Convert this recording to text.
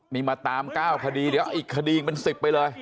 นี่มาตาม๙คดีอีกคดีอีกเป็น๑๐ไปเลย